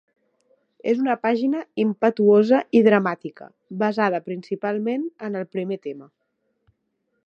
És una pàgina impetuosa i dramàtica, basada principalment en el primer tema.